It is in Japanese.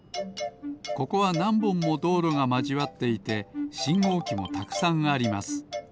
ここはなんぼんもどうろがまじわっていてしんごうきもたくさんあります。